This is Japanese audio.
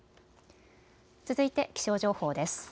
続いて気象情報です。